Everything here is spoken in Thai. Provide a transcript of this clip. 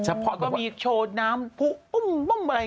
อ๋อเฉพาะแบบว่ามีโชว์น้ำปุ้มปุ้มอะไรอย่างนี้